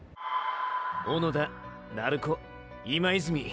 小野田鳴子今泉。